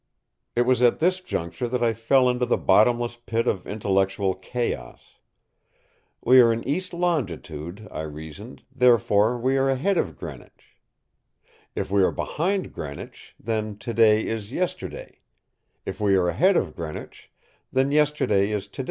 It was at this juncture that I fell into the bottomless pit of intellectual chaos. We are in east longitude, I reasoned, therefore we are ahead of Greenwich. If we are behind Greenwich, then to day is yesterday; if we are ahead of Greenwich, then yesterday is to day, but if yesterday is to day, what under the sun is to day!